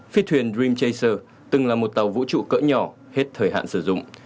phi thuyền dream tracer từng là một tàu vũ trụ cỡ nhỏ hết thời hạn sử dụng